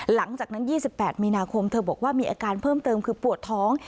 หลังจากนั้น๒๘มีนาคมเธอบอกว่ามีอาการเพิ่มเติมคือปวดท้อง